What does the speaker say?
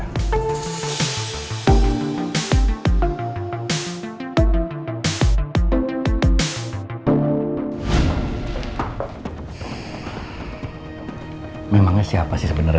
untuk membantu bantu saya aku akan melakukan sesuatu hati percaya dengan diri